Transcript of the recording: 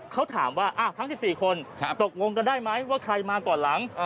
เขาถามว่าทั้ง๑๔คนตกลงกันได้ไหมว่าใครมาก่อนหลัง